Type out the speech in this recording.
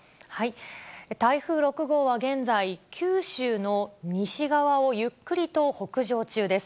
台風６号は現在、九州の西側をゆっくりと北上中です。